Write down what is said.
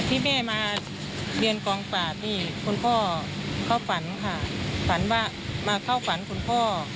ที่แม่มาเรียนกองปราบนี่คุณพ่อเขาฝันค่ะฝันว่ามาเข้าฝันคุณพ่อ